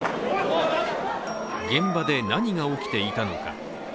現場で何が起きていたのか。